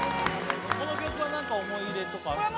この曲は何か思い入れとかあるんですか？